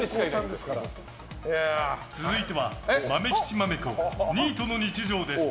続いては「まめきちまめこニートの日常」です。